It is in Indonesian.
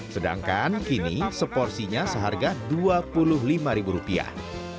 sedangkan kini seporsinya seharga dua puluh lima ribu rupiah